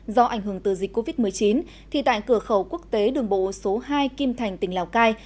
do ảnh hưởng từ dịch covid một mươi chín thì tại cửa khẩu quốc tế đường bộ số hai kim thành tỉnh lào cai